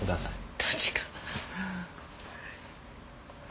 どっちか。